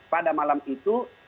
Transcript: pada malam itu